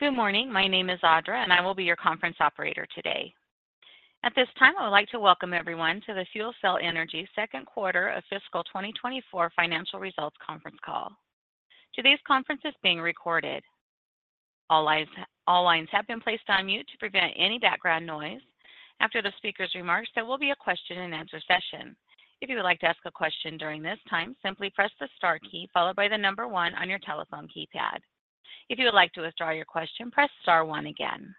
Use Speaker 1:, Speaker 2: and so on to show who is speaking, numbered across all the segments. Speaker 1: Good morning. My name is Audra, and I will be your conference operator today. At this time, I would like to welcome everyone to the FuelCell Energy second quarter of fiscal 2024 financial results conference call. Today's conference is being recorded. All lines have been placed on mute to prevent any background noise. After the speaker's remarks, there will be a question-and-answer session. If you would like to ask a question during this time, simply press the star key followed by the number one on your telephone keypad. If you would like to withdraw your question, press star one again.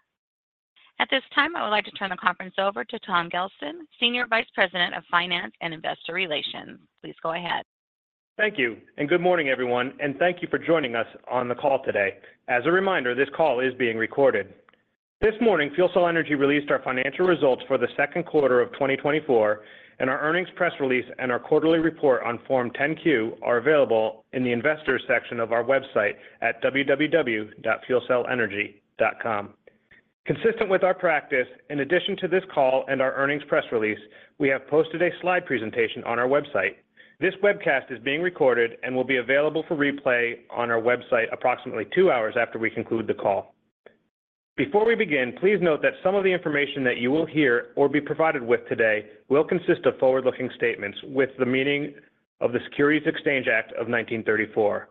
Speaker 1: At this time, I would like to turn the conference over to Tom Gelston, Senior Vice President of Finance and Investor Relations. Please go ahead.
Speaker 2: Thank you. Good morning, everyone, and thank you for joining us on the call today. As a reminder, this call is being recorded. This morning, FuelCell Energy released our financial results for the second quarter of 2024, and our earnings press release and our quarterly report on Form 10-Q are available in the investors' section of our website at www.fuelcellenergy.com. Consistent with our practice, in addition to this call and our earnings press release, we have posted a slide presentation on our website. This webcast is being recorded and will be available for replay on our website approximately 2 hours after we conclude the call. Before we begin, please note that some of the information that you will hear or be provided with today will consist of forward-looking statements with the meaning of the Securities Exchange Act of 1934.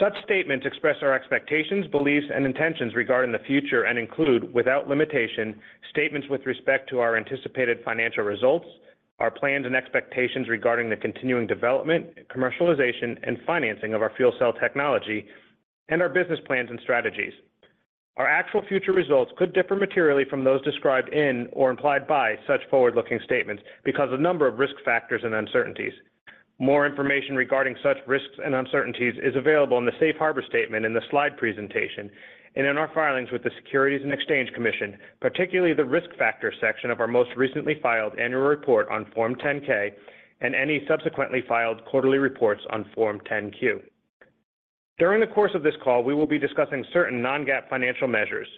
Speaker 2: Such statements express our expectations, beliefs, and intentions regarding the future and include, without limitation, statements with respect to our anticipated financial results, our plans and expectations regarding the continuing development, commercialization, and financing of our fuel cell technology, and our business plans and strategies. Our actual future results could differ materially from those described in or implied by such forward-looking statements because of a number of risk factors and uncertainties. More information regarding such risks and uncertainties is available in the safe harbor statement in the slide presentation and in our filings with the Securities and Exchange Commission, particularly the risk factor section of our most recently filed annual report on Form 10-K and any subsequently filed quarterly reports on Form 10-Q. During the course of this call, we will be discussing certain non-GAAP financial measures,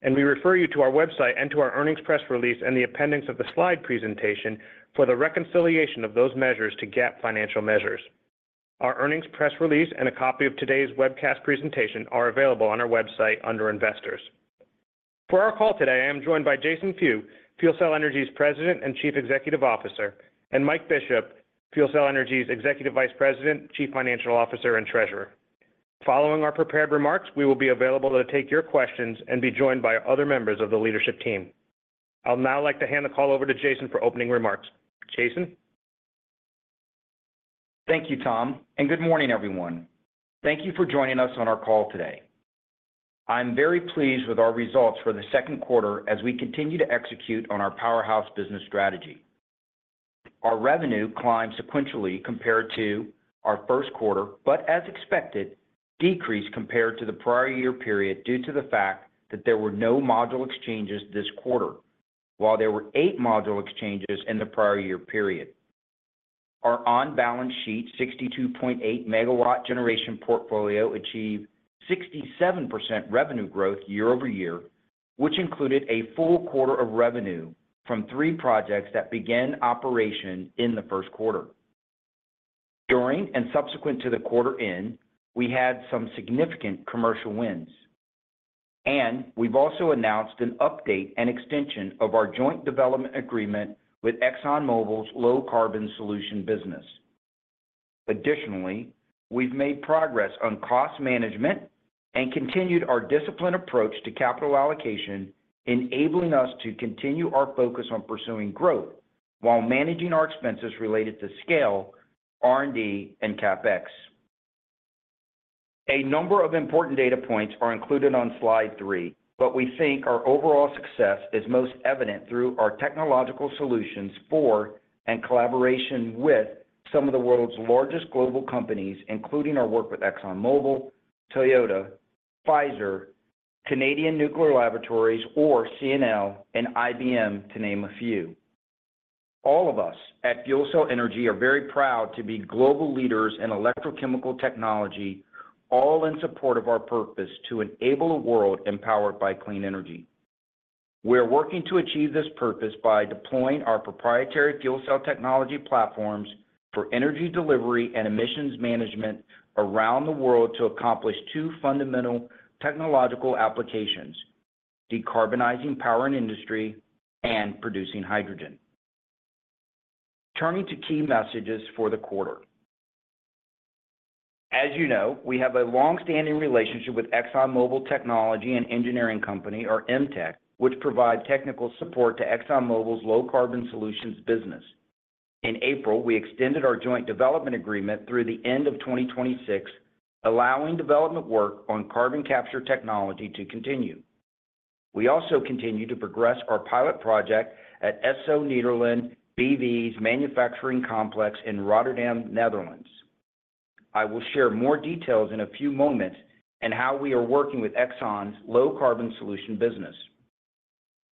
Speaker 2: and we refer you to our website and to our earnings press release and the appendix of the slide presentation for the reconciliation of those measures to GAAP financial measures. Our earnings press release and a copy of today's webcast presentation are available on our website under investors. For our call today, I am joined by Jason Few, FuelCell Energy's President and Chief Executive Officer, and Mike Bishop, FuelCell Energy's Executive Vice President, Chief Financial Officer, and Treasurer. Following our prepared remarks, we will be available to take your questions and be joined by other members of the leadership team. I'll now like to hand the call over to Jason for opening remarks. Jason?
Speaker 3: Thank you, Tom, and good morning, everyone. Thank you for joining us on our call today. I'm very pleased with our results for the second quarter as we continue to execute on our Powerhouse business strategy. Our revenue climbed sequentially compared to our first quarter, but as expected, decreased compared to the prior year period due to the fact that there were no module exchanges this quarter, while there were 8 module exchanges in the prior year period. Our on-balance sheet 62.8 MW generation portfolio achieved 67% revenue growth year-over-year, which included a full quarter of revenue from 3 projects that began operation in the first quarter. During and subsequent to the quarter end, we had some significant commercial wins, and we've also announced an update and extension of our joint development agreement with ExxonMobil’s Low Carbon Solutions business. Additionally, we've made progress on cost management and continued our disciplined approach to capital allocation, enabling us to continue our focus on pursuing growth while managing our expenses related to scale, R&D, and CapEx. A number of important data points are included on slide three, but we think our overall success is most evident through our technological solutions for and collaboration with some of the world's largest global companies, including our work with ExxonMobil, Toyota, Pfizer, Canadian Nuclear Laboratories, or CNL, and IBM, to name a few. All of us at FuelCell Energy are very proud to be global leaders in electrochemical technology, all in support of our purpose to enable a world empowered by clean energy. We are working to achieve this purpose by deploying our proprietary fuel cell technology platforms for energy delivery and emissions management around the world to accomplish two fundamental technological applications: decarbonizing power and industry and producing hydrogen. Turning to key messages for the quarter. As you know, we have a long-standing relationship with ExxonMobil Technology and Engineering Company, or EMTEC, which provide technical support to ExxonMobil’s Low Carbon Solutions business. In April, we extended our joint development agreement through the end of 2026, allowing development work on carbon capture technology to continue. We also continue to progress our pilot project at Esso Nederland B.V.'s manufacturing complex in Rotterdam, Netherlands. I will share more details in a few moments and how we are working with Exxon's Low Carbon Solutions business.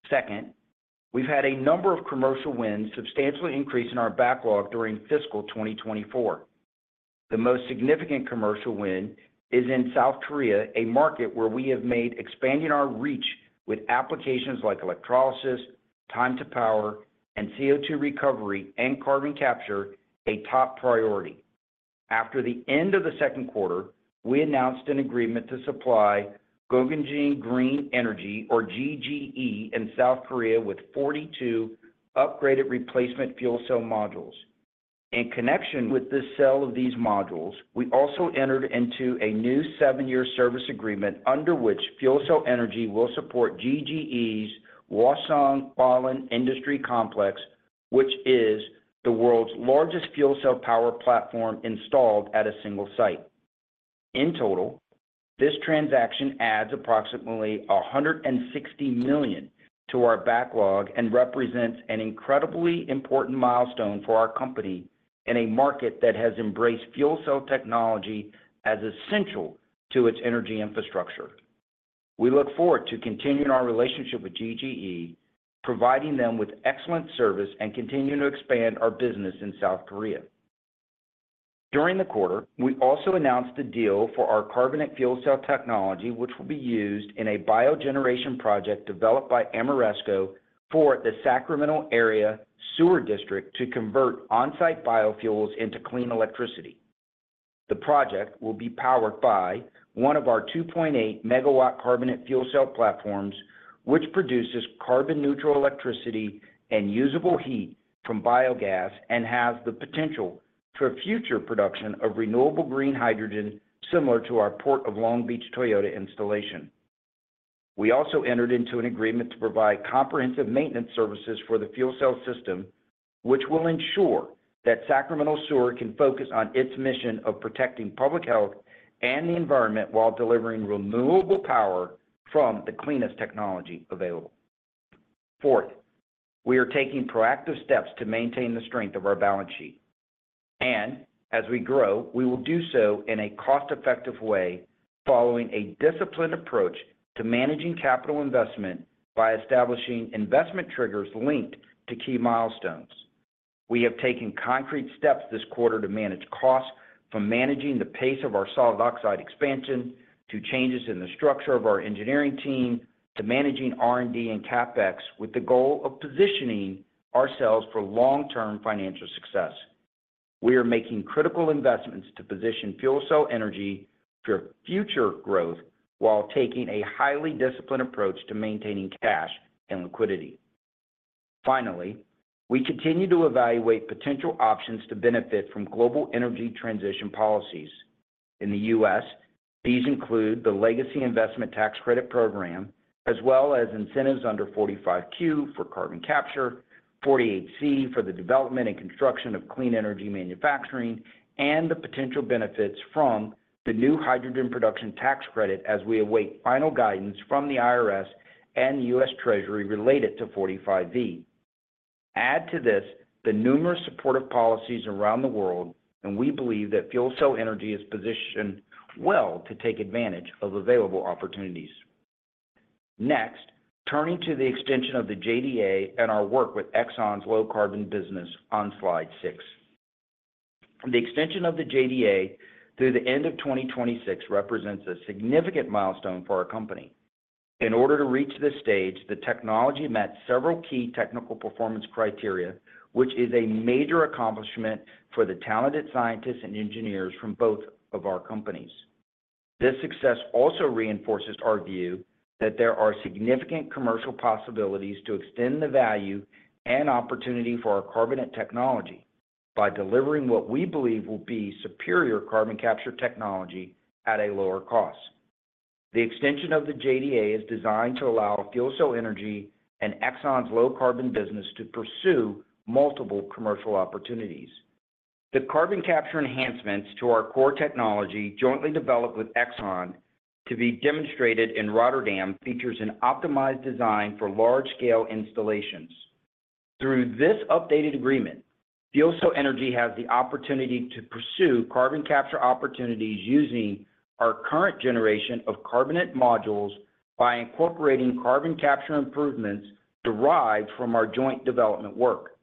Speaker 3: Second, we've had a number of commercial wins substantially increase in our backlog during fiscal 2024. The most significant commercial win is in South Korea, a market where we have made expanding our reach with applications like electrolysis, time to power, and CO2 recovery and carbon capture a top priority. After the end of the second quarter, we announced an agreement to supply Gyeonggi Green Energy, or GGE, in South Korea with 42 upgraded replacement fuel cell modules. In connection with the sale of these modules, we also entered into a new seven-year service agreement under which FuelCell Energy will support GGE's Hwaseong Baran Industrial Complex, which is the world's largest fuel cell power platform installed at a single site. In total, this transaction adds approximately $160 million to our backlog and represents an incredibly important milestone for our company in a market that has embraced fuel cell technology as essential to its energy infrastructure. We look forward to continuing our relationship with GGE, providing them with excellent service, and continuing to expand our business in South Korea. During the quarter, we also announced the deal for our carbonate fuel cell technology, which will be used in a biogeneration project developed by Ameresco for the Sacramento Area Sewer District to convert on-site biofuels into clean electricity. The project will be powered by one of our 2.8-MW carbonate fuel cell platforms, which produces carbon-neutral electricity and usable heat from biogas and has the potential for future production of renewable green hydrogen similar to our Port of Long Beach Toyota installation. We also entered into an agreement to provide comprehensive maintenance services for the fuel cell system, which will ensure that Sacramento Sewer can focus on its mission of protecting public health and the environment while delivering renewable power from the cleanest technology available. Fourth, we are taking proactive steps to maintain the strength of our balance sheet. As we grow, we will do so in a cost-effective way, following a disciplined approach to managing capital investment by establishing investment triggers linked to key milestones. We have taken concrete steps this quarter to manage costs from managing the pace of our solid oxide expansion to changes in the structure of our engineering team to managing R&D and CapEx with the goal of positioning ourselves for long-term financial success. We are making critical investments to position FuelCell Energy for future growth while taking a highly disciplined approach to maintaining cash and liquidity. Finally, we continue to evaluate potential options to benefit from global energy transition policies. In the U.S., these include the legacy investment tax credit program, as well as incentives under 45Q for carbon capture, 48C for the development and construction of clean energy manufacturing, and the potential benefits from the new hydrogen production tax credit as we await final guidance from the IRS and U.S. Treasury related to 45V. Add to this the numerous supportive policies around the world, and we believe that FuelCell Energy is positioned well to take advantage of available opportunities. Next, turning to the extension of the JDA and our work with ExxonMobil's Low Carbon business on slide six. The extension of the JDA through the end of 2026 represents a significant milestone for our company. In order to reach this stage, the technology met several key technical performance criteria, which is a major accomplishment for the talented scientists and engineers from both of our companies. This success also reinforces our view that there are significant commercial possibilities to extend the value and opportunity for our carbonate technology by delivering what we believe will be superior carbon capture technology at a lower cost. The extension of the JDA is designed to allow FuelCell Energy and Exxon's Low Carbon business to pursue multiple commercial opportunities. The carbon capture enhancements to our core technology jointly developed with Exxon to be demonstrated in Rotterdam features an optimized design for large-scale installations. Through this updated agreement, FuelCell Energy has the opportunity to pursue carbon capture opportunities using our current generation of carbonate modules by incorporating carbon capture improvements derived from our joint development work.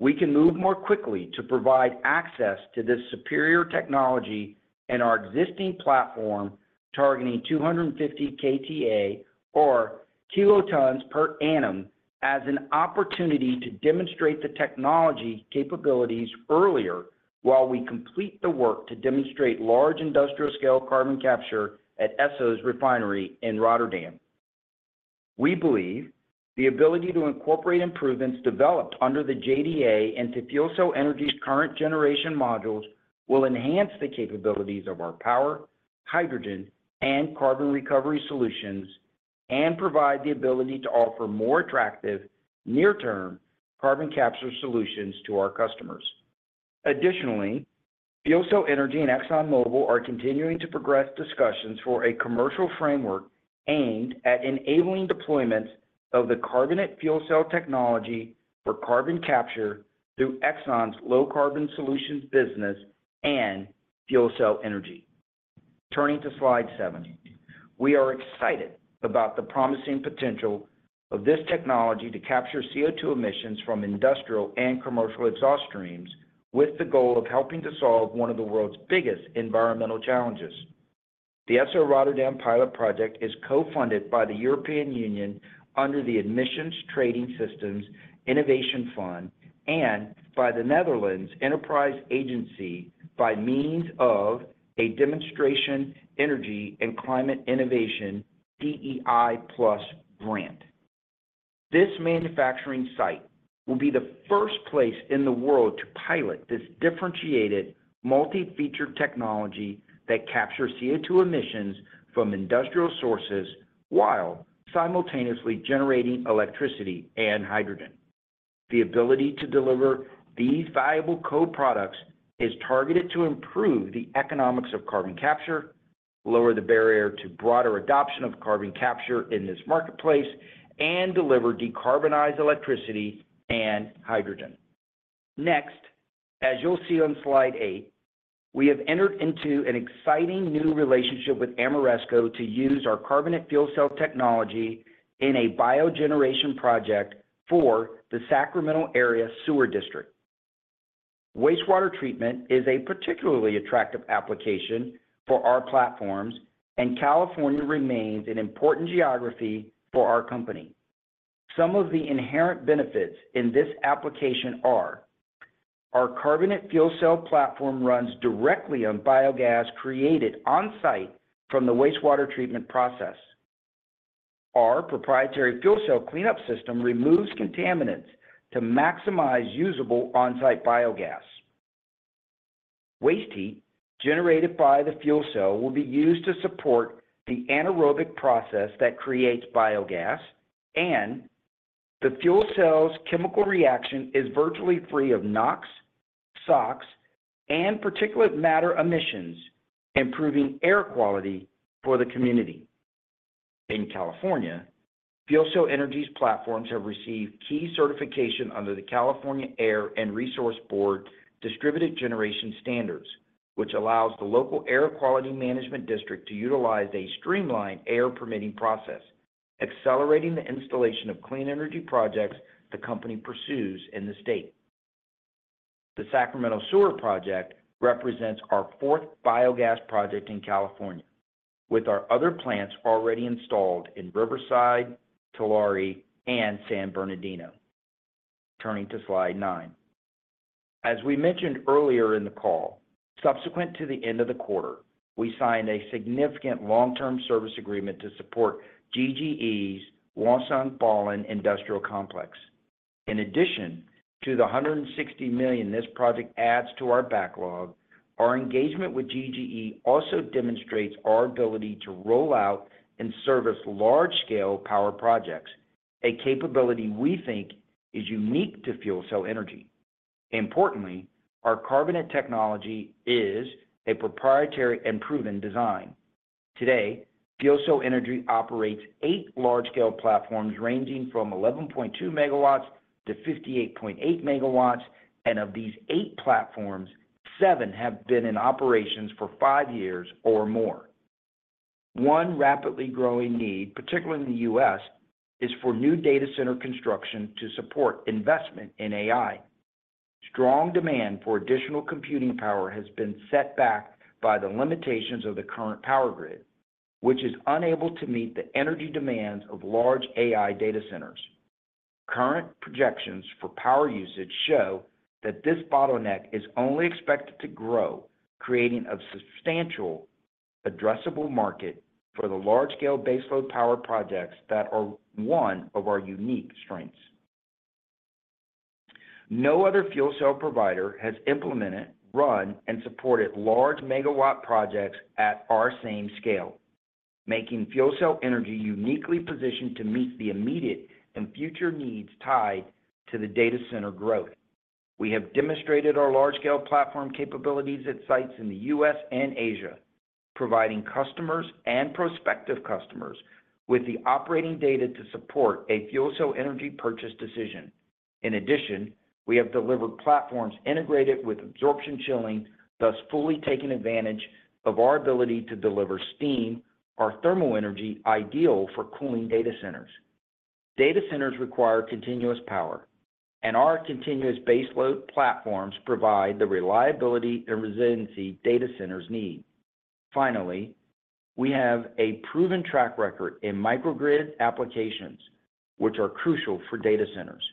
Speaker 3: We can move more quickly to provide access to this superior technology and our existing platform targeting 250 KTA or kilotons per annum as an opportunity to demonstrate the technology capabilities earlier while we complete the work to demonstrate large industrial scale carbon capture at Esso's refinery in Rotterdam. We believe the ability to incorporate improvements developed under the JDA into FuelCell Energy's current generation modules will enhance the capabilities of our power, hydrogen, and carbon recovery solutions and provide the ability to offer more attractive near-term carbon capture solutions to our customers. Additionally, FuelCell Energy and ExxonMobil are continuing to progress discussions for a commercial framework aimed at enabling deployments of the carbonate fuel cell technology for carbon capture through Exxon's Low Carbon Solutions business and FuelCell Energy. Turning to slide seven, we are excited about the promising potential of this technology to capture CO2 emissions from industrial and commercial exhaust streams with the goal of helping to solve one of the world's biggest environmental challenges. The Esso Rotterdam pilot project is co-funded by the European Union under the Emissions Trading System Innovation Fund and by the Netherlands Enterprise Agency by means of a Demonstration Energy and Climate Innovation DEI+ grant. This manufacturing site will be the first place in the world to pilot this differentiated multi-feature technology that captures CO2 emissions from industrial sources while simultaneously generating electricity and hydrogen. The ability to deliver these valuable co-products is targeted to improve the economics of carbon capture, lower the barrier to broader adoption of carbon capture in this marketplace, and deliver decarbonized electricity and hydrogen. Next, as you'll see on slide eight, we have entered into an exciting new relationship with Ameresco to use our carbonate fuel cell technology in a biogeneration project for the Sacramento Area Sewer District. Wastewater treatment is a particularly attractive application for our platforms, and California remains an important geography for our company. Some of the inherent benefits in this application are our carbonate fuel cell platform runs directly on biogas created on-site from the wastewater treatment process. Our proprietary fuel cell cleanup system removes contaminants to maximize usable on-site biogas. Waste heat generated by the fuel cell will be used to support the anaerobic process that creates biogas, and the fuel cell's chemical reaction is virtually free of NOx, SOx, and particulate matter emissions, improving air quality for the community. In California, FuelCell Energy's platforms have received key certification under the California Air Resources Board Distributed Generation Standards, which allows the local air quality management district to utilize a streamlined air permitting process, accelerating the installation of clean energy projects the company pursues in the state. The Sacramento Sewer project represents our fourth biogas project in California, with our other plants already installed in Riverside, Tulare, and San Bernardino. Turning to slide nine. As we mentioned earlier in the call, subsequent to the end of the quarter, we signed a significant long-term service agreement to support GGE's Hwaseong Baran industrial complex. In addition to the $160 million this project adds to our backlog, our engagement with GGE also demonstrates our ability to roll out and service large-scale power projects, a capability we think is unique to FuelCell Energy. Importantly, our carbonate technology is a proprietary and proven design. Today, FuelCell Energy operates eight large-scale platforms ranging from 11.2 MW to 58.8 MW, and of these eight platforms, seven have been in operations for five years or more. One rapidly growing need, particularly in the U.S., is for new data center construction to support investment in AI. Strong demand for additional computing power has been set back by the limitations of the current power grid, which is unable to meet the energy demands of large AI data centers. Current projections for power usage show that this bottleneck is only expected to grow, creating a substantial addressable market for the large-scale baseload power projects that are one of our unique strengths. No other fuel cell provider has implemented, run, and supported large megawatt projects at our same scale, making FuelCell Energy uniquely positioned to meet the immediate and future needs tied to the data center growth. We have demonstrated our large-scale platform capabilities at sites in the U.S. and Asia, providing customers and prospective customers with the operating data to support a FuelCell Energy purchase decision. In addition, we have delivered platforms integrated with absorption chilling, thus fully taking advantage of our ability to deliver steam, our thermal energy ideal for cooling data centers. Data centers require continuous power, and our continuous baseload platforms provide the reliability and resiliency data centers need. Finally, we have a proven track record in microgrid applications, which are crucial for data centers.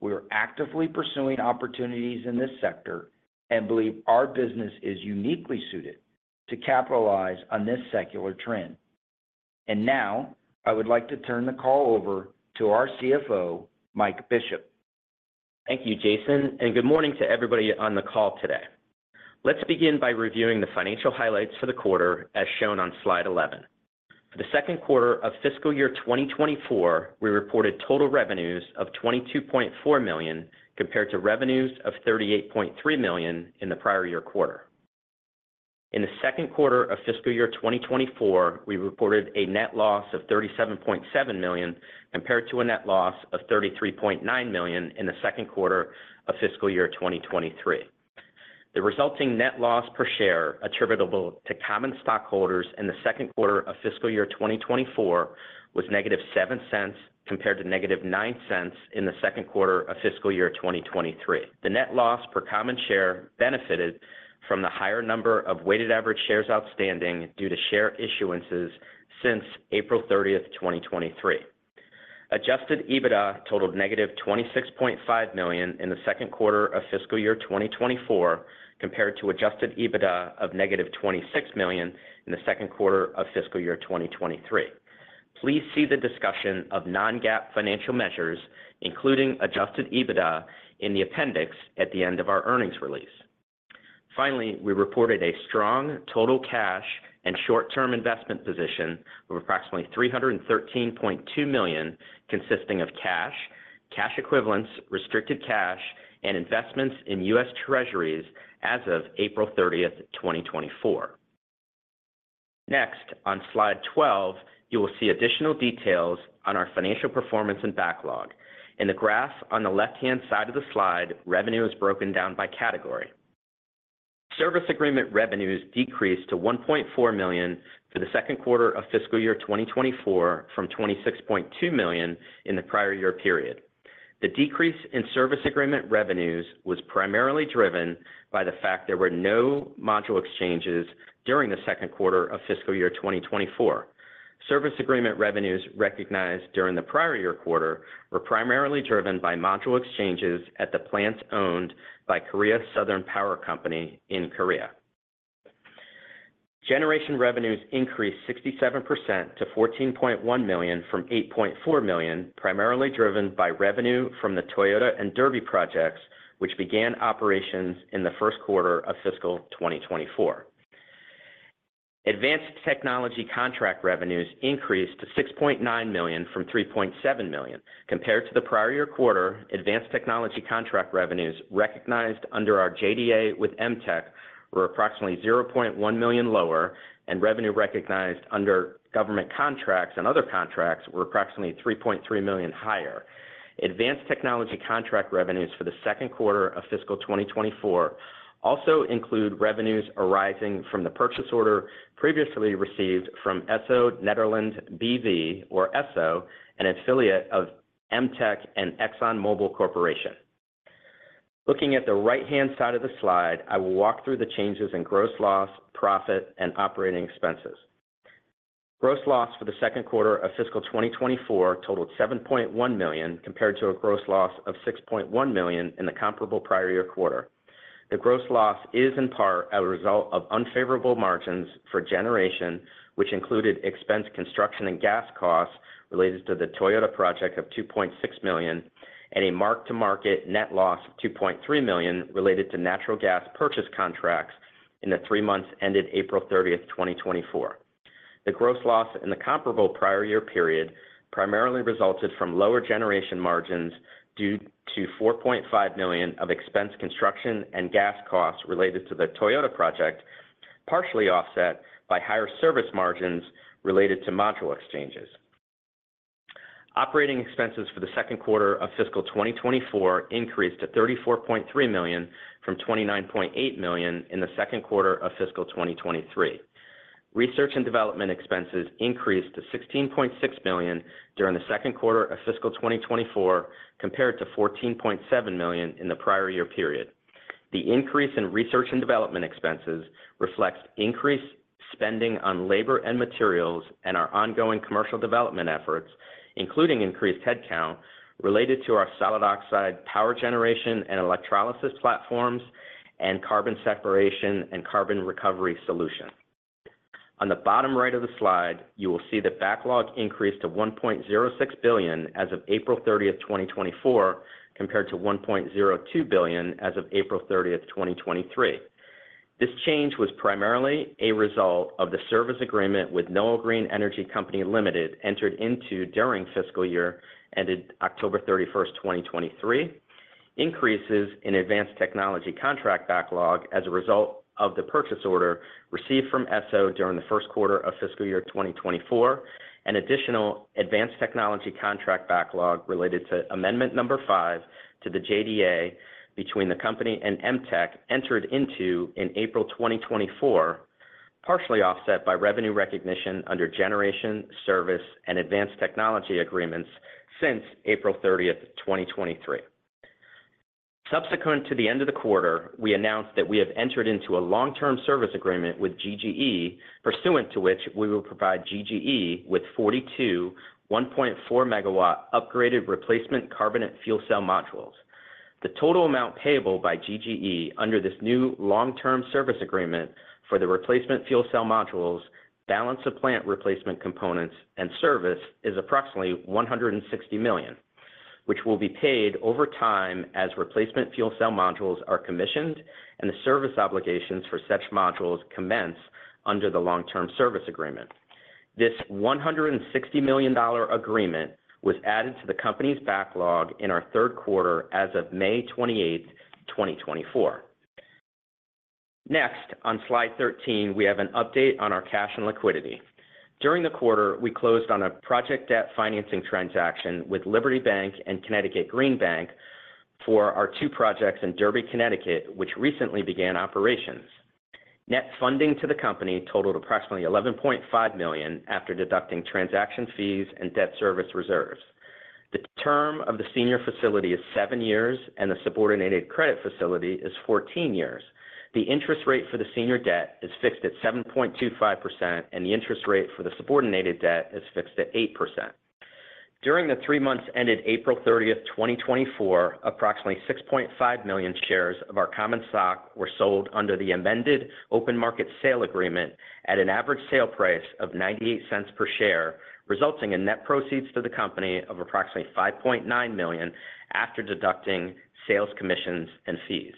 Speaker 3: We are actively pursuing opportunities in this sector and believe our business is uniquely suited to capitalize on this secular trend. Now, I would like to turn the call over to our CFO, Mike Bishop.
Speaker 4: Thank you, Jason, and good morning to everybody on the call today. Let's begin by reviewing the financial highlights for the quarter, as shown on slide 11. For the second quarter of fiscal year 2024, we reported total revenues of $22.4 million compared to revenues of $38.3 million in the prior year quarter. In the second quarter of fiscal year 2024, we reported a net loss of $37.7 million compared to a net loss of $33.9 million in the second quarter of fiscal year 2023. The resulting net loss per share attributable to common stockholders in the second quarter of fiscal year 2024 was -$0.07 compared to -$0.09 in the second quarter of fiscal year 2023. The net loss per common share benefited from the higher number of weighted average shares outstanding due to share issuances since April 30, 2023. Adjusted EBITDA totaled -$26.5 million in the second quarter of fiscal year 2024 compared to adjusted EBITDA of -$26 million in the second quarter of fiscal year 2023. Please see the discussion of non-GAAP financial measures, including adjusted EBITDA, in the appendix at the end of our earnings release. Finally, we reported a strong total cash and short-term investment position of approximately $313.2 million, consisting of cash, cash equivalents, restricted cash, and investments in U.S. Treasuries as of April 30, 2024. Next, on slide 12, you will see additional details on our financial performance and backlog. In the graph on the left-hand side of the slide, revenue is broken down by category. Service agreement revenues decreased to $1.4 million for the second quarter of fiscal year 2024 from $26.2 million in the prior year period. The decrease in service agreement revenues was primarily driven by the fact there were no module exchanges during the second quarter of fiscal year 2024. Service agreement revenues recognized during the prior year quarter were primarily driven by module exchanges at the plants owned by Korea Southern Power Company in Korea. Generation revenues increased 67% to $14.1 million from $8.4 million, primarily driven by revenue from the Toyota and Derby projects, which began operations in the first quarter of fiscal 2024. Advanced technology contract revenues increased to $6.9 million from $3.7 million. Compared to the prior year quarter, advanced technology contract revenues recognized under our JDA with EMTEC were approximately $0.1 million lower, and revenue recognized under government contracts and other contracts were approximately $3.3 million higher. Advanced technology contract revenues for the second quarter of fiscal 2024 also include revenues arising from the purchase order previously received from Esso Nederland B.V., or Esso, an affiliate of EMTEC and ExxonMobil Corporation. Looking at the right-hand side of the slide, I will walk through the changes in gross loss, profit, and operating expenses. Gross loss for the second quarter of fiscal 2024 totaled $7.1 million compared to a gross loss of $6.1 million in the comparable prior year quarter. The gross loss is in part a result of unfavorable margins for generation, which included expensed construction and gas costs related to the Toyota project of $2.6 million, and a mark-to-market net loss of $2.3 million related to natural gas purchase contracts in the three months ended April 30, 2024. The gross loss in the comparable prior year period primarily resulted from lower generation margins due to $4.5 million of expensed construction and gas costs related to the Toyota project, partially offset by higher service margins related to module exchanges. Operating expenses for the second quarter of fiscal 2024 increased to $34.3 million from $29.8 million in the second quarter of fiscal 2023. Research and development expenses increased to $16.6 million during the second quarter of fiscal 2024 compared to $14.7 million in the prior year period. The increase in research and development expenses reflects increased spending on labor and materials and our ongoing commercial development efforts, including increased headcount related to our solid oxide power generation and electrolysis platforms and carbon separation and carbon recovery solution. On the bottom right of the slide, you will see the backlog increased to $1.06 billion as of April 30, 2024, compared to $1.02 billion as of April 30, 2023. This change was primarily a result of the service agreement with Noeul Green Energy Co., Ltd. entered into during fiscal year ended October 31, 2023, increases in advanced technology contract backlog as a result of the purchase order received from Esso during the first quarter of fiscal year 2024, and additional advanced technology contract backlog related to amendment number 5 to the JDA between the company and EMTEC entered into in April 2024, partially offset by revenue recognition under generation, service, and advanced technology agreements since April 30, 2023. Subsequent to the end of the quarter, we announced that we have entered into a long-term service agreement with GGE, pursuant to which we will provide GGE with 42 1.4-MW upgraded replacement carbonate fuel cell modules. The total amount payable by GGE under this new long-term service agreement for the replacement fuel cell modules, balance of plant replacement components, and service is approximately $160 million, which will be paid over time as replacement fuel cell modules are commissioned and the service obligations for such modules commence under the long-term service agreement. This $160 million agreement was added to the company's backlog in our third quarter as of May 28, 2024. Next, on slide 13, we have an update on our cash and liquidity. During the quarter, we closed on a project debt financing transaction with Liberty Bank and Connecticut Green Bank for our two projects in Derby, Connecticut, which recently began operations. Net funding to the company totaled approximately $11.5 million after deducting transaction fees and debt service reserves. The term of the senior facility is 7 years, and the subordinated credit facility is 14 years. The interest rate for the senior debt is fixed at 7.25%, and the interest rate for the subordinated debt is fixed at 8%. During the three months ended April 30, 2024, approximately 6.5 million shares of our common stock were sold under the amended open market sale agreement at an average sale price of $0.98 per share, resulting in net proceeds to the company of approximately $5.9 million after deducting sales commissions and fees.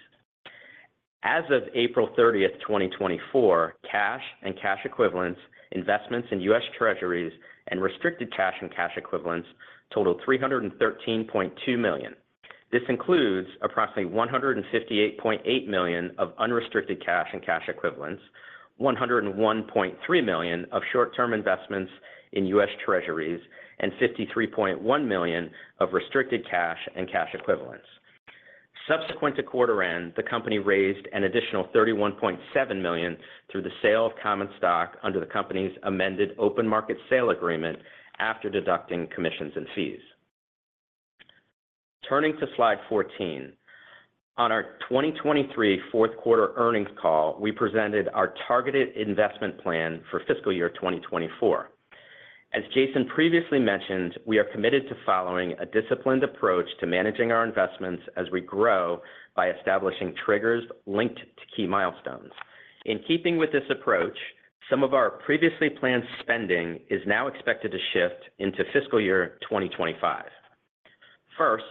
Speaker 4: As of April 30, 2024, cash and cash equivalents, investments in U.S. Treasuries, and restricted cash and cash equivalents totaled $313.2 million. This includes approximately $158.8 million of unrestricted cash and cash equivalents, $101.3 million of short-term investments in U.S. Treasuries, and $53.1 million of restricted cash and cash equivalents. Subsequent to quarter end, the company raised an additional $31.7 million through the sale of common stock under the company's amended open market sale agreement after deducting commissions and fees. Turning to slide 14, on our 2023 fourth quarter earnings call, we presented our targeted investment plan for fiscal year 2024. As Jason previously mentioned, we are committed to following a disciplined approach to managing our investments as we grow by establishing triggers linked to key milestones. In keeping with this approach, some of our previously planned spending is now expected to shift into fiscal year 2025. First,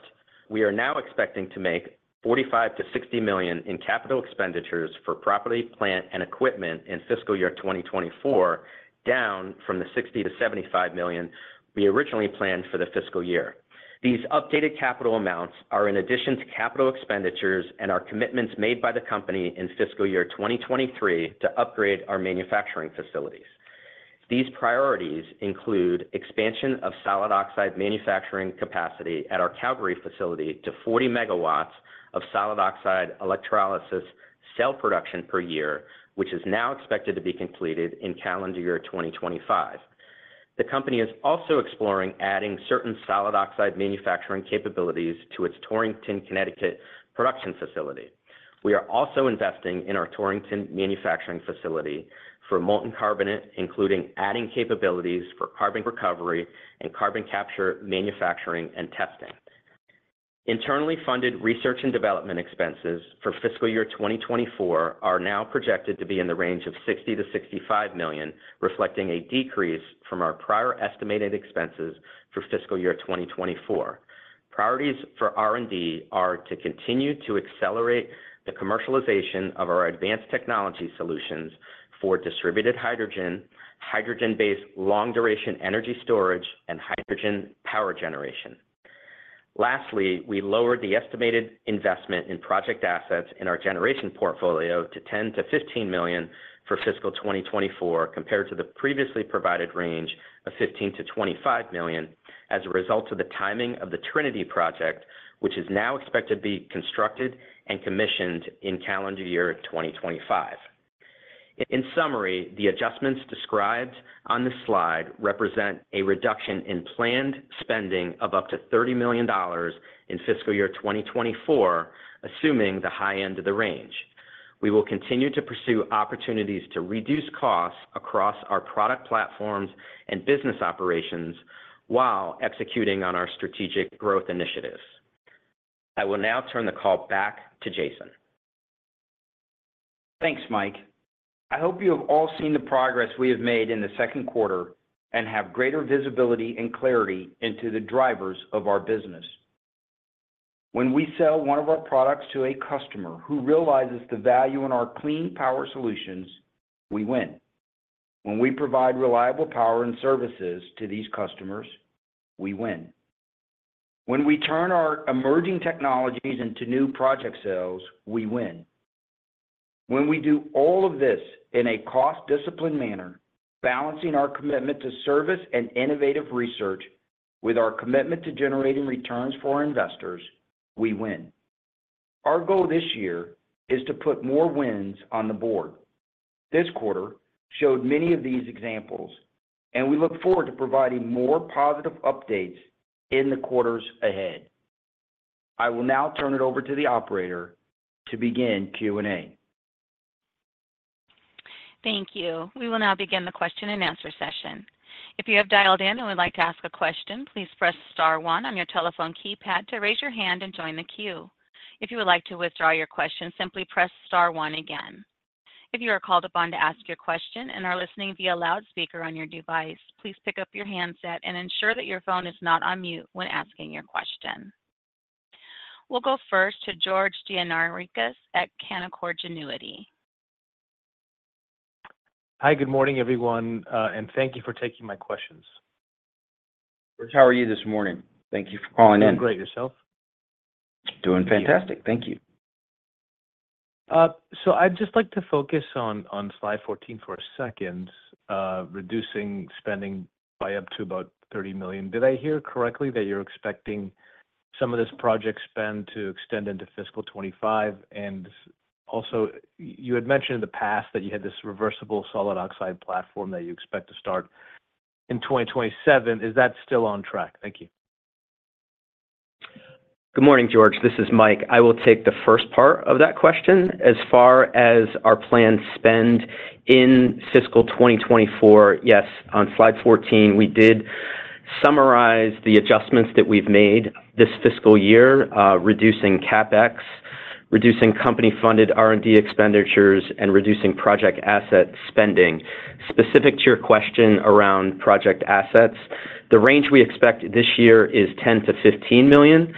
Speaker 4: we are now expecting to make $45 million-$60 million in capital expenditures for property, plant, and equipment in fiscal year 2024 down from the $60 million-$75 million we originally planned for the fiscal year. These updated capital amounts are in addition to capital expenditures and our commitments made by the company in fiscal year 2023 to upgrade our manufacturing facilities. These priorities include expansion of solid oxide manufacturing capacity at our Calgary facility to 40 MW of solid oxide electrolysis cell production per year, which is now expected to be completed in calendar year 2025. The company is also exploring adding certain solid oxide manufacturing capabilities to its Torrington, Connecticut, production facility. We are also investing in our Torrington manufacturing facility for molten carbonate, including adding capabilities for carbon recovery and carbon capture manufacturing and testing. Internally funded research and development expenses for fiscal year 2024 are now projected to be in the range of $60 million-$65 million, reflecting a decrease from our prior estimated expenses for fiscal year 2024. Priorities for R&D are to continue to accelerate the commercialization of our advanced technology solutions for distributed hydrogen, hydrogen-based long-duration energy storage, and hydrogen power generation. Lastly, we lowered the estimated investment in project assets in our generation portfolio to $10 million-$15 million for fiscal 2024 compared to the previously provided range of $15 million-$25 million as a result of the timing of the Tri-gen project, which is now expected to be constructed and commissioned in calendar year 2025. In summary, the adjustments described on this slide represent a reduction in planned spending of up to $30 million in fiscal year 2024, assuming the high end of the range. We will continue to pursue opportunities to reduce costs across our product platforms and business operations while executing on our strategic growth initiatives. I will now turn the call back to Jason.
Speaker 3: Thanks, Mike. I hope you have all seen the progress we have made in the second quarter and have greater visibility and clarity into the drivers of our business. When we sell one of our products to a customer who realizes the value in our clean power solutions, we win. When we provide reliable power and services to these customers, we win. When we turn our emerging technologies into new project sales, we win. When we do all of this in a cost-disciplined manner, balancing our commitment to service and innovative research with our commitment to generating returns for our investors, we win. Our goal this year is to put more wins on the board. This quarter showed many of these examples, and we look forward to providing more positive updates in the quarters ahead. I will now turn it over to the operator to begin Q&A.
Speaker 1: Thank you. We will now begin the question and answer session. If you have dialed in and would like to ask a question, please press star one on your telephone keypad to raise your hand and join the queue. If you would like to withdraw your question, simply press star one again. If you are called upon to ask your question and are listening via loudspeaker on your device, please pick up your handset and ensure that your phone is not on mute when asking your question. We'll go first to George Gianarikas at Canaccord Genuity.
Speaker 5: Hi, good morning, everyone, and thank you for taking my questions.
Speaker 3: George, how are you this morning? Thank you for calling in.
Speaker 5: I'm great. Yourself?
Speaker 3: Doing fantastic. Thank you.
Speaker 5: So I'd just like to focus on slide 14 for a second, reducing spending by up to about $30 million. Did I hear correctly that you're expecting some of this project spend to extend into fiscal 2025? And also, you had mentioned in the past that you had this reversible solid oxide platform that you expect to start in 2027. Is that still on track? Thank you.
Speaker 4: Good morning, George. This is Mike. I will take the first part of that question. As far as our planned spend in fiscal 2024, yes, on slide 14, we did summarize the adjustments that we've made this fiscal year, reducing CapEx, reducing company-funded R&D expenditures, and reducing project asset spending. Specific to your question around project assets, the range we expect this year is $10 million-$15 million.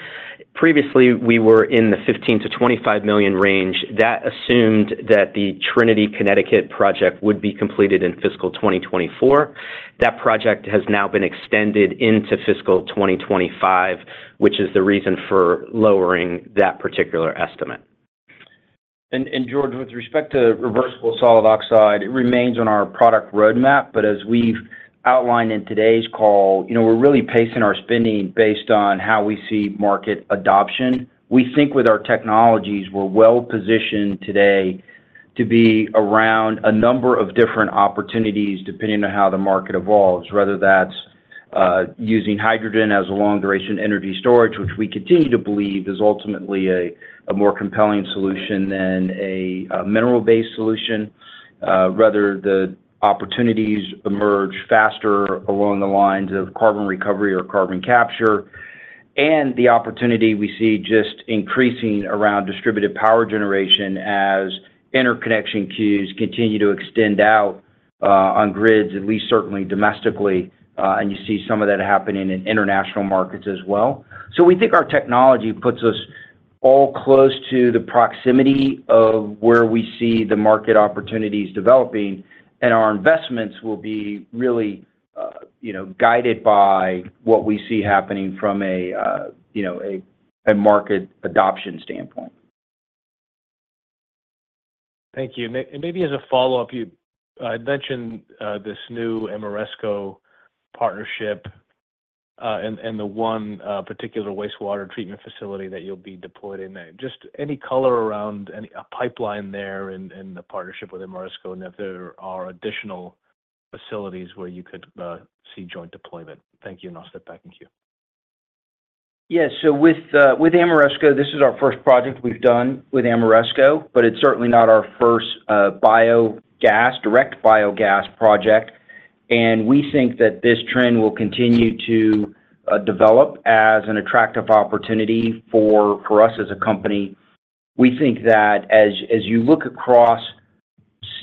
Speaker 4: Previously, we were in the $15 million-$25 million range. That assumed that the Trinity Connecticut project would be completed in fiscal 2024. That project has now been extended into fiscal 2025, which is the reason for lowering that particular estimate.
Speaker 3: And George, with respect to reversible solid oxide, it remains on our product roadmap, but as we've outlined in today's call, we're really pacing our spending based on how we see market adoption. We think with our technologies, we're well positioned today to be around a number of different opportunities depending on how the market evolves, whether that's using hydrogen as a long-duration energy storage, which we continue to believe is ultimately a more compelling solution than a mineral-based solution. Rather, the opportunities emerge faster along the lines of carbon recovery or carbon capture. The opportunity we see just increasing around distributed power generation as interconnection queues continue to extend out on grids, at least certainly domestically, and you see some of that happening in international markets as well. So we think our technology puts us all close to the proximity of where we see the market opportunities developing, and our investments will be really guided by what we see happening from a market adoption standpoint.
Speaker 5: Thank you. And maybe as a follow-up, I'd mentioned this new Ameresco partnership and the one particular wastewater treatment facility that you'll be deployed in. Just any color around a pipeline there and the partnership with Ameresco and if there are additional facilities where you could see joint deployment. Thank you, and I'll step back in queue.
Speaker 3: Yes. So with Ameresco, this is our first project we've done with Ameresco, but it's certainly not our first direct biogas project. We think that this trend will continue to develop as an attractive opportunity for us as a company. We think that as you look across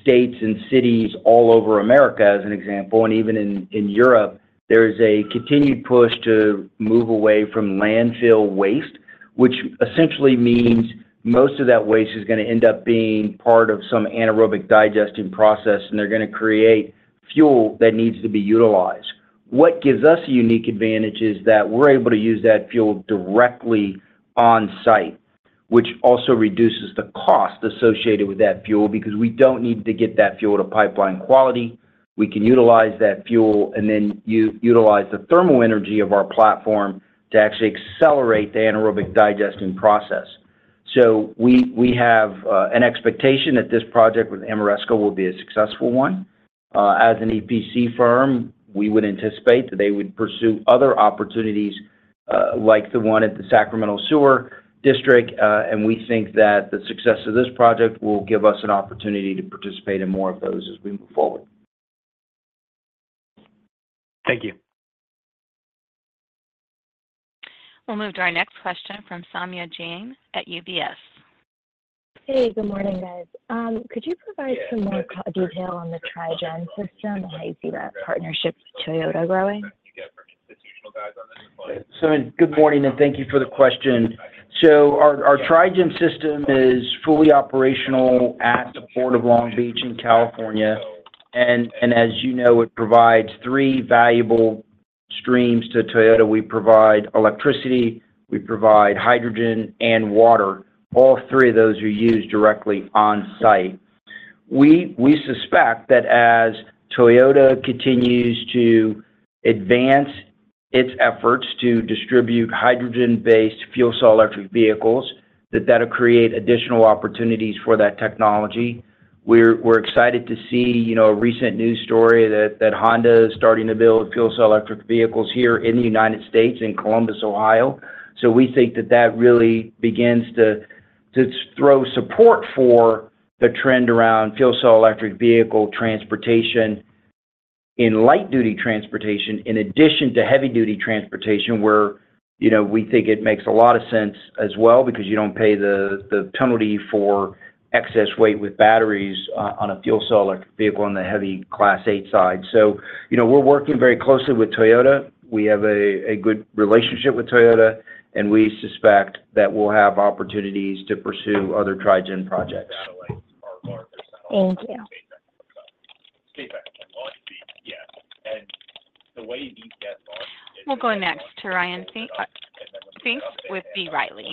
Speaker 3: states and cities all over America, as an example, and even in Europe, there is a continued push to move away from landfill waste, which essentially means most of that waste is going to end up being part of some anaerobic digestion process, and they're going to create fuel that needs to be utilized. What gives us a unique advantage is that we're able to use that fuel directly on site, which also reduces the cost associated with that fuel because we don't need to get that fuel to pipeline quality. We can utilize that fuel and then utilize the thermal energy of our platform to actually accelerate the anaerobic digestion process. So we have an expectation that this project with Ameresco will be a successful one. As an EPC firm, we would anticipate that they would pursue other opportunities like the one at the Sacramento Area Sewer District, and we think that the success of this project will give us an opportunity to participate in more of those as we move forward.
Speaker 5: Thank you.
Speaker 1: We'll move to our next question from Saumya Jain at UBS.
Speaker 6: Hey, good morning, guys. Could you provide some more detail on the Tri-gen system and how you see that partnership with Toyota growing?
Speaker 3: So good morning, and thank you for the question. So our Tri-gen system is fully operational at the Port of Long Beach in California. As you know, it provides three valuable streams to Toyota. We provide electricity, we provide hydrogen, and water. All three of those are used directly on site. We suspect that as Toyota continues to advance its efforts to distribute hydrogen-based fuel cell electric vehicles, that that'll create additional opportunities for that technology. We're excited to see a recent news story that Honda is starting to build fuel cell electric vehicles here in the United States in Columbus, Ohio. We think that that really begins to throw support for the trend around fuel cell electric vehicle transportation in light-duty transportation in addition to heavy-duty transportation, where we think it makes a lot of sense as well because you don't pay the penalty for excess weight with batteries on a fuel cell electric vehicle on the heavy Class 8 side. We're working very closely with Toyota. We have a good relationship with Toyota, and we suspect that we'll have opportunities to pursue other Tri-gen projects.
Speaker 6: Thank you.
Speaker 1: We'll go next to Ryan Pfingst with B. Riley.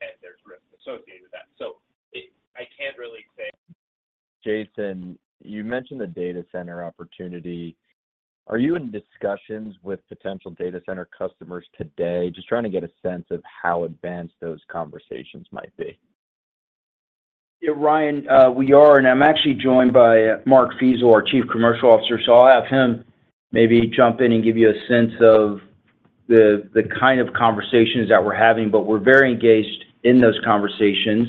Speaker 7: And there's risk associated with that. So I can't really say. Jason, you mentioned the data center opportunity. Are you in discussions with potential data center customers today? Just trying to get a sense of how advanced those conversations might be.
Speaker 3: Ryan, we are, and I'm actually joined by Mark Feasel, our Chief Commercial Officer. So I'll have him maybe jump in and give you a sense of the kind of conversations that we're having, but we're very engaged in those conversations.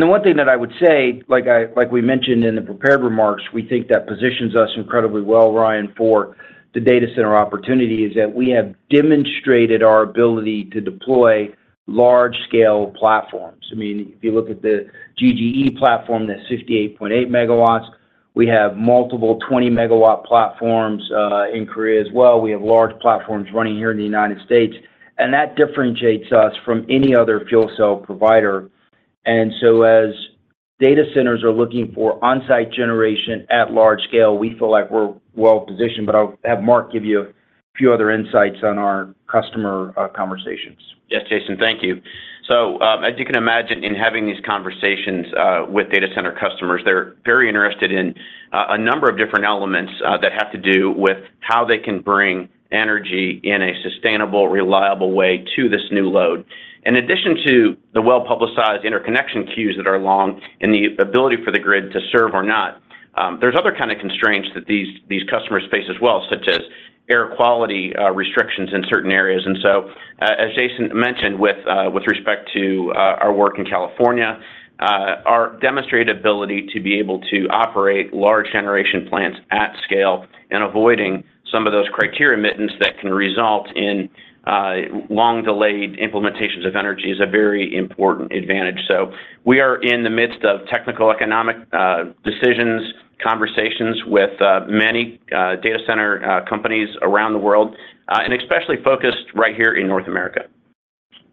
Speaker 3: The one thing that I would say, like we mentioned in the prepared remarks, we think that positions us incredibly well, Ryan, for the data center opportunity is that we have demonstrated our ability to deploy large-scale platforms. I mean, if you look at the GGE platform, that's 58.8 MW. We have multiple 20-MW platforms in Korea as well. We have large platforms running here in the United States. And that differentiates us from any other fuel cell provider. And so as data centers are looking for on-site generation at large scale, we feel like we're well positioned, but I'll have Mark give you a few other insights on our customer conversations.
Speaker 8: Yes, Jason, thank you. So as you can imagine, in having these conversations with data center customers, they're very interested in a number of different elements that have to do with how they can bring energy in a sustainable, reliable way to this new load. In addition to the well-publicized interconnection queues that are long and the ability for the grid to serve or not, there's other kinds of constraints that these customers face as well, such as air quality restrictions in certain areas. And so, as Jason mentioned, with respect to our work in California, our demonstrated ability to be able to operate large generation plants at scale and avoiding some of those criteria emissions that can result in long-delayed implementations of energy is a very important advantage. We are in the midst of techno-economic decisions, conversations with many data center companies around the world, and especially focused right here in North America.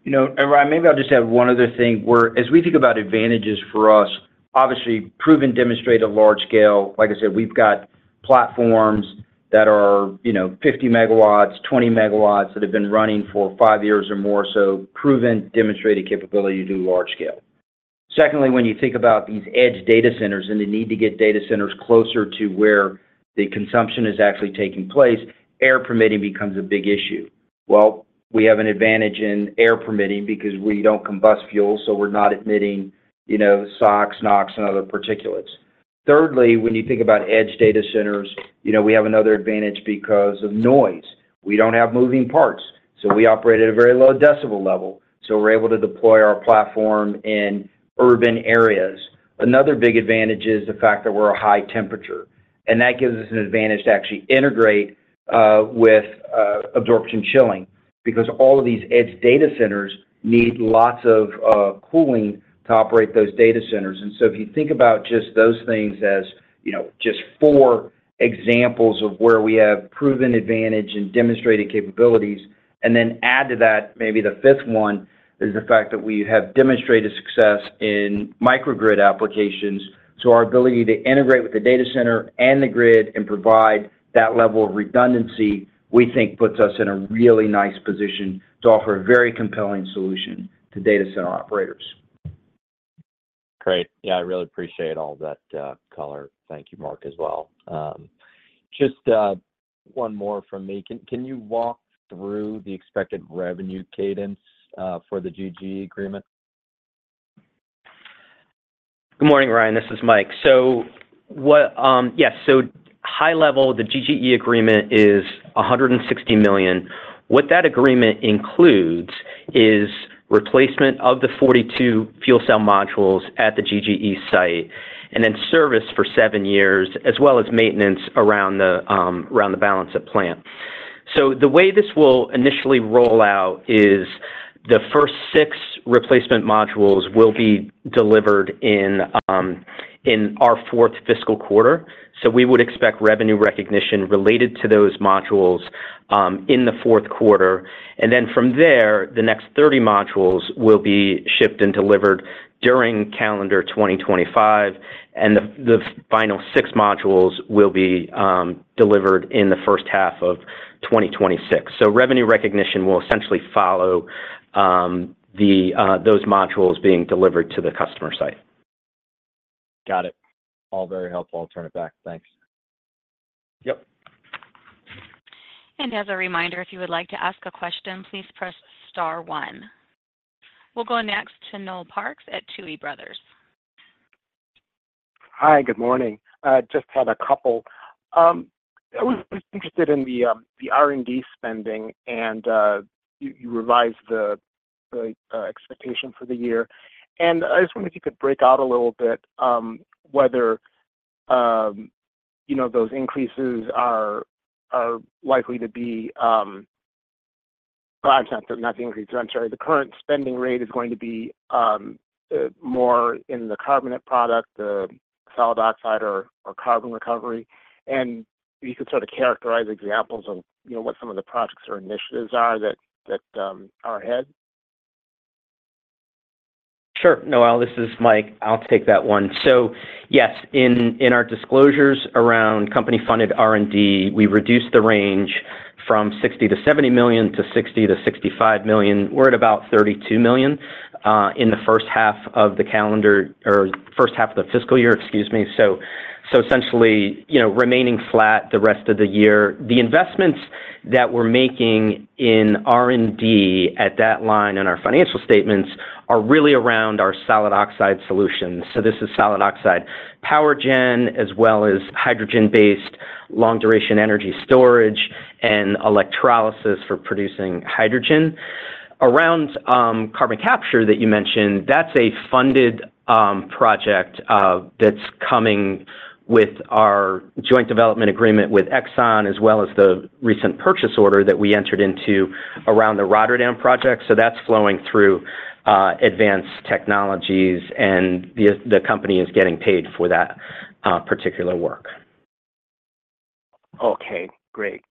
Speaker 3: Ryan, maybe I'll just add one other thing. As we think about advantages for us, obviously, proven demonstrated large scale, like I said, we've got platforms that are 50 MW, 20 MW that have been running for 5 years or more, so proven demonstrated capability to do large scale. Secondly, when you think about these edge data centers and the need to get data centers closer to where the consumption is actually taking place, air permitting becomes a big issue. Well, we have an advantage in air permitting because we don't combust fuel, so we're not emitting SOx, NOx, and other particulates. Thirdly, when you think about edge data centers, we have another advantage because of noise. We don't have moving parts, so we operate at a very low decibel level. So we're able to deploy our platform in urban areas. Another big advantage is the fact that we're a high temperature. And that gives us an advantage to actually integrate with absorption chilling because all of these edge data centers need lots of cooling to operate those data centers. And so if you think about just those things as just four examples of where we have proven advantage and demonstrated capabilities, and then add to that maybe the fifth one is the fact that we have demonstrated success in microgrid applications. So our ability to integrate with the data center and the grid and provide that level of redundancy, we think, puts us in a really nice position to offer a very compelling solution to data center operators.
Speaker 7: Great. Yeah, I really appreciate all that color. Thank you, Mark, as well. Just one more from me. Can you walk through the expected revenue cadence for the GGE agreement?
Speaker 4: Good morning, Ryan. This is Mike. So yes, so high level, the GGE agreement is $160 million. What that agreement includes is replacement of the 42 fuel cell modules at the GGE site and then service for 7 years, as well as maintenance around the balance of plant. So the way this will initially roll out is the first 6 replacement modules will be delivered in our fourth fiscal quarter. So we would expect revenue recognition related to those modules in the fourth quarter. And then from there, the next 30 modules will be shipped and delivered during calendar 2025, and the final 6 modules will be delivered in the first half of 2026. So revenue recognition will essentially follow those modules being delivered to the customer site.
Speaker 7: Got it. All very helpful. I'll turn it back. Thanks.
Speaker 4: Yep.
Speaker 1: As a reminder, if you would like to ask a question, please press star one. We'll go next to Noel Parks at Tuohy Brothers.
Speaker 9: Hi, good morning. Just had a couple. I was interested in the R&D spending, and you revised the expectation for the year. And I just wondered if you could break out a little bit whether those increases are likely to be, well, not the increases. I'm sorry. The current spending rate is going to be more in the carbonate product, the solid oxide, or carbon recovery. And you could sort of characterize examples of what some of the projects or initiatives are that are ahead?
Speaker 4: Sure. Noel, this is Mike. I'll take that one. So yes, in our disclosures around company-funded R&D, we reduced the range from $60 million-$70 million to $60 million-$65 million. We're at about $32 million in the first half of the calendar or first half of the fiscal year, excuse me. So essentially remaining flat the rest of the year. The investments that we're making in R&D at that line in our financial statements are really around our solid oxide solutions. So this is solid oxide power gen as well as hydrogen-based long-duration energy storage and electrolysis for producing hydrogen. Around carbon capture that you mentioned, that's a funded project that's coming with our joint development agreement with Exxon, as well as the recent purchase order that we entered into around the Rotterdam project. So that's flowing through Advanced Technologies, and the company is getting paid for that particular work.
Speaker 9: Okay. Great.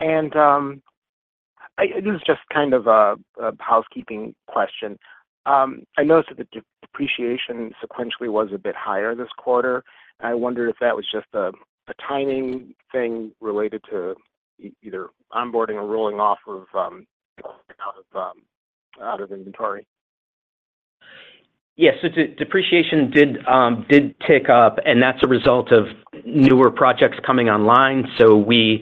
Speaker 9: This is just kind of a housekeeping question. I noticed that the depreciation sequentially was a bit higher this quarter. I wondered if that was just a timing thing related to either onboarding or rolling off of inventory.
Speaker 4: Yes. So depreciation did tick up, and that's a result of newer projects coming online. So we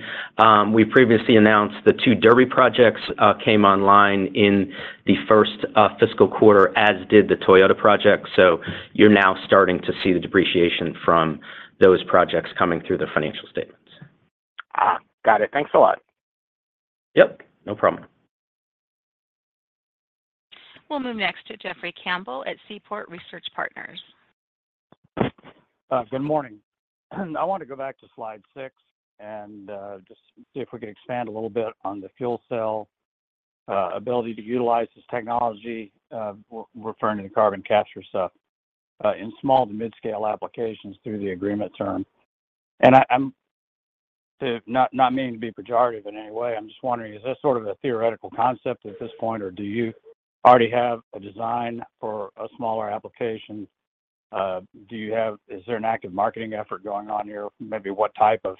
Speaker 4: previously announced the 2 Derby projects came online in the first fiscal quarter, as did the Toyota project. So you're now starting to see the depreciation from those projects coming through the financial statements.
Speaker 9: Got it. Thanks a lot.
Speaker 4: Yep. No problem.
Speaker 1: We'll move next to Jeffrey Campbell at Seaport Research Partners.
Speaker 10: Good morning. I want to go back to slide six and just see if we could expand a little bit on the fuel cell ability to utilize this technology, referring to the carbon capture stuff, in small- to mid-scale applications through the agreement term. And not meaning to be pejorative in any way. I'm just wondering, is this sort of a theoretical concept at this point, or do you already have a design for a smaller application? Is there an active marketing effort going on here? Maybe what type of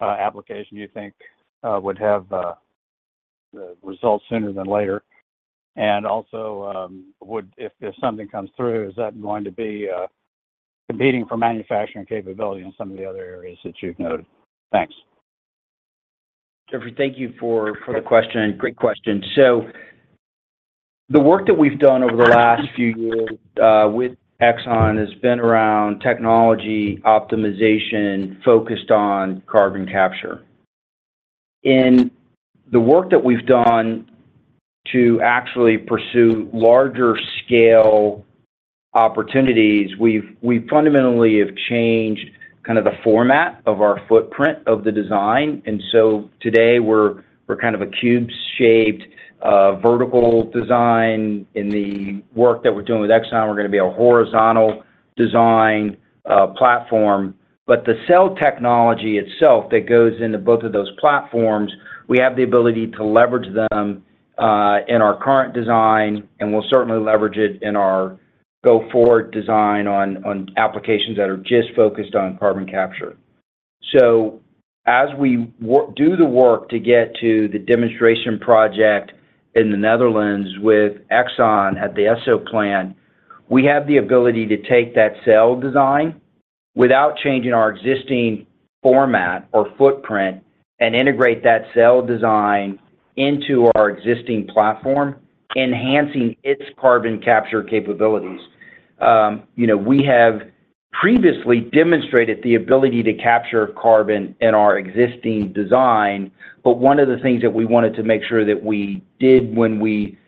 Speaker 10: application do you think would have results sooner than later? And also, if something comes through, is that going to be competing for manufacturing capability in some of the other areas that you've noted? Thanks.
Speaker 4: Jeffrey, thank you for the question. Great question. So the work that we've done over the last few years with Exxon has been around technology optimization focused on carbon capture. In the work that we've done to actually pursue larger scale opportunities, we fundamentally have changed kind of the format of our footprint of the design. And so today, we're kind of a cube-shaped vertical design. In the work that we're doing with Exxon, we're going to be a horizontal design platform. But the cell technology itself that goes into both of those platforms, we have the ability to leverage them in our current design, and we'll certainly leverage it in our go-forward design on applications that are just focused on carbon capture. So as we do the work to get to the demonstration project in the Netherlands with Exxon at the Esso plant, we have the ability to take that cell design without changing our existing format or footprint and integrate that cell design into our existing platform, enhancing its carbon capture capabilities. We have previously demonstrated the ability to capture carbon in our existing design, but one of the things that we wanted to make sure that we did when we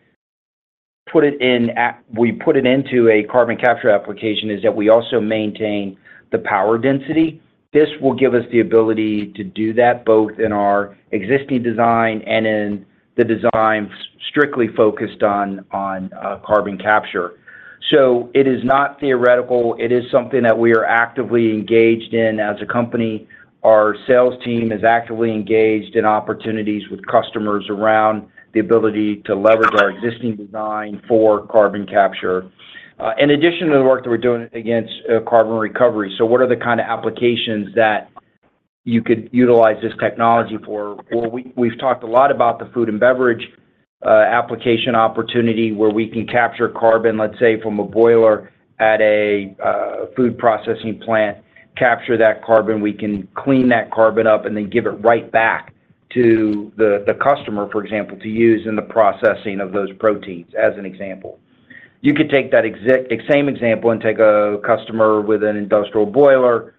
Speaker 4: put it in we put it into a carbon capture application is that we also maintain the power density. This will give us the ability to do that both in our existing design and in the design strictly focused on carbon capture. So it is not theoretical. It is something that we are actively engaged in as a company. Our sales team is actively engaged in opportunities with customers around the ability to leverage our existing design for carbon capture, in addition to the work that we're doing against carbon recovery. So what are the kind of applications that you could utilize this technology for? We've talked a lot about the food and beverage application opportunity where we can capture carbon, let's say, from a boiler at a food processing plant, capture that carbon. We can clean that carbon up and then give it right back to the customer, for example, to use in the processing of those proteins, as an example. You could take that same example and take a customer with an industrial boiler.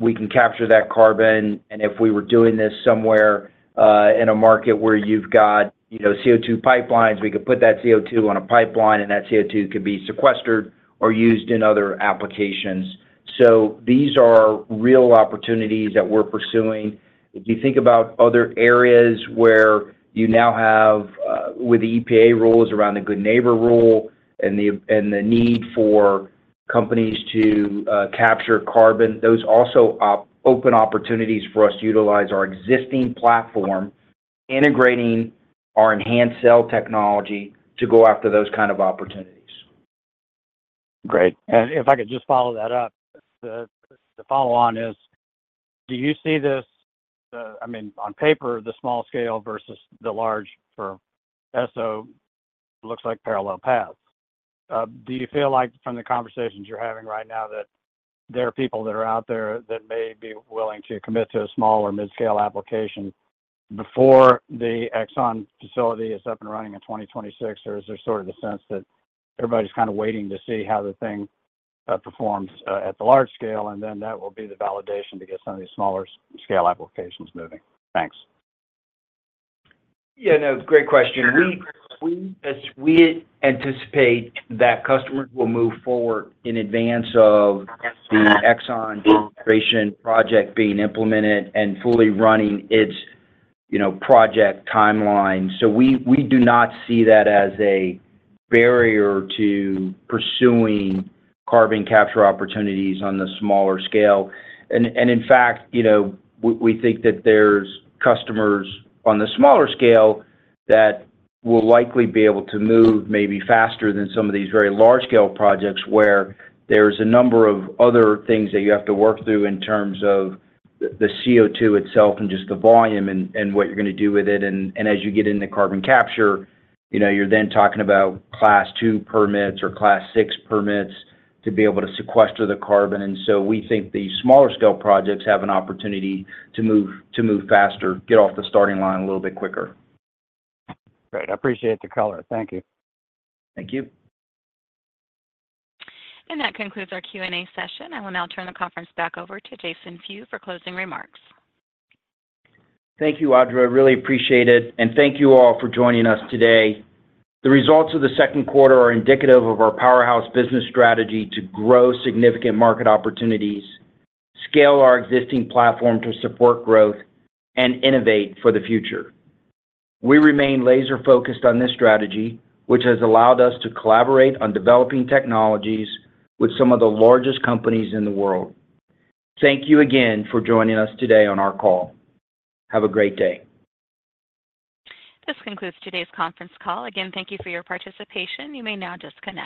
Speaker 4: We can capture that carbon. And if we were doing this somewhere in a market where you've got CO2 pipelines, we could put that CO2 on a pipeline, and that CO2 could be sequestered or used in other applications. So these are real opportunities that we're pursuing. If you think about other areas where you now have with the EPA rules around the Good Neighbor Rule and the need for companies to capture carbon, those also open opportunities for us to utilize our existing platform, integrating our enhanced cell technology to go after those kind of opportunities.
Speaker 10: Great. And if I could just follow that up, the follow-on is, do you see this, I mean, on paper, the small scale versus the large for Esso looks like parallel paths? Do you feel like from the conversations you're having right now that there are people that are out there that may be willing to commit to a small or mid-scale application before the Exxon facility is up and running in 2026? Or is there sort of a sense that everybody's kind of waiting to see how the thing performs at the large scale, and then that will be the validation to get some of these smaller scale applications moving? Thanks.
Speaker 4: Yeah. No, great question. We anticipate that customers will move forward in advance of the Exxon demonstration project being implemented and fully running its project timeline. So we do not see that as a barrier to pursuing carbon capture opportunities on the smaller scale. And in fact, we think that there's customers on the smaller scale that will likely be able to move maybe faster than some of these very large-scale projects where there's a number of other things that you have to work through in terms of the CO2 itself and just the volume and what you're going to do with it. And as you get into carbon capture, you're then talking about Class II permits or Class VI permits to be able to sequester the carbon. And so we think these smaller-scale projects have an opportunity to move faster, get off the starting line a little bit quicker.
Speaker 10: Great. I appreciate the color. Thank you.
Speaker 4: Thank you.
Speaker 1: And that concludes our Q&A session. I will now turn the conference back over to Jason Few for closing remarks.
Speaker 3: Thank you, Audra. I really appreciate it. And thank you all for joining us today. The results of the second quarter are indicative of our Powerhouse business strategy to grow significant market opportunities, scale our existing platform to support growth, and innovate for the future. We remain laser-focused on this strategy, which has allowed us to collaborate on developing technologies with some of the largest companies in the world. Thank you again for joining us today on our call. Have a great day.
Speaker 1: This concludes today's conference call. Again, thank you for your participation. You may now disconnect.